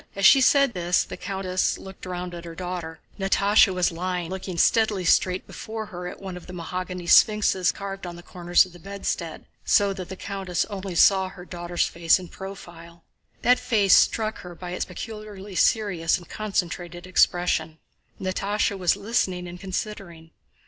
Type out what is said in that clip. As she said this the countess looked round at her daughter. Natásha was lying looking steadily straight before her at one of the mahogany sphinxes carved on the corners of the bedstead, so that the countess only saw her daughter's face in profile. That face struck her by its peculiarly serious and concentrated expression. Natásha was listening and considering.